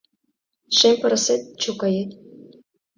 Шем пырысет, чокает